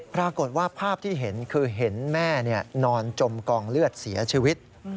ปรากฏว่าภาพที่เห็นคือเห็นแม่นอนจมกองเลือดเสียชีวิต